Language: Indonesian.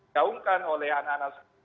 gaungkan oleh anak anak